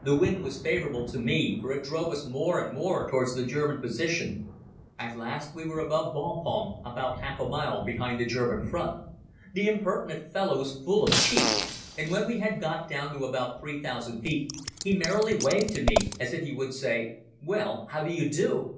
The wind was favorable to me for it drove us more and more towards the German position. At last we were above Bapaume, about half a mile behind the German front. The impertinent fellow was full of cheek and when we had got down to about 3,000 feet he merrily waved to me as if he would say, "Well, how do you do?"